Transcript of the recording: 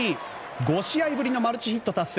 ５試合ぶりのマルチヒットを達成。